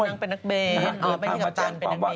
นางเป็นนักเบนเป็นที่กับต่างเป็นนักบิน